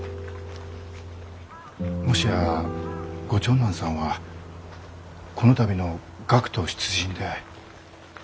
もしやご長男さんはこの度の学徒出陣で？